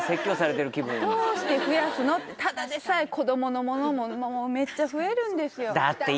どうして増やすの？ってただでさえ子供のものもめっちゃ増えるんですよだってＬ？